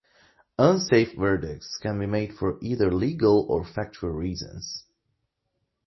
Unsafe verdicts can be made for either legal or factual reasons.